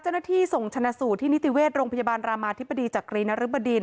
เจ้าหน้าที่ส่งชนะสูตรที่นิติเวชโรงพยาบาลรามาธิบดีจักรีนรึบดิน